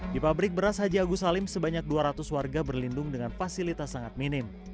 di pabrik beras haji agus salim sebanyak dua ratus warga berlindung dengan fasilitas sangat minim